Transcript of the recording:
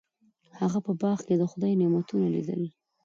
هغه په باغ کې د خدای نعمتونه لیدل.